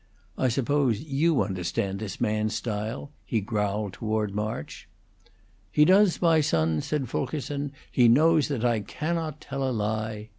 "I suppose you understand this man's style," he growled toward March. "He does, my son," said Fulkerson. "He knows that I cannot tell a lie."